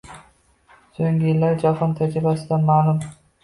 Soʻnggi yillarda jahon tajribasidan ma'lum.